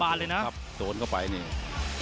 สวัสดีครับสวัสดีครับสวัสดีครับ